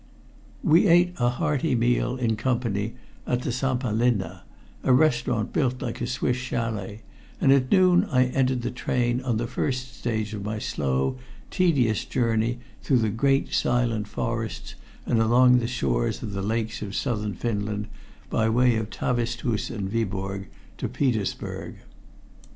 We ate a hearty meal in company at the Sampalinna, a restaurant built like a Swiss châlet, and at noon I entered the train on the first stage of my slow, tedious journey through the great silent forests and along the shores of the lakes of Southern Finland, by way of Tavestehus and Viborg, to Petersburg.